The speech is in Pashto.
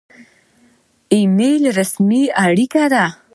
ایمیل رسمي اړیکه ده